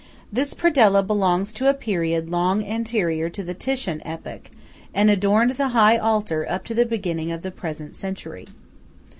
This Predella belongs to a period long anterior to the Titian epoch, and adorned the high altar up to the beginning of the present century.